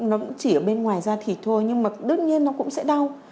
nó cũng chỉ ở bên ngoài ra thì thôi nhưng mà đương nhiên nó cũng sẽ đau